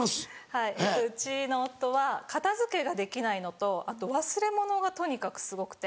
はいうちの夫は片付けができないのとあと忘れ物がとにかくすごくて。